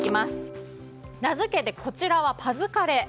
名付けて、こちらはパズカレ。